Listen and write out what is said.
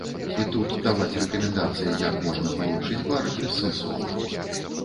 І тут даваць рэкамендацыі, як можна палепшыць бар, бессэнсоўна.